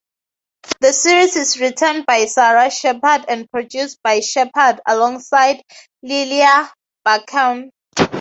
The series is written by Sara Shepard and produced by Shepard alongside Lilia Buckingham.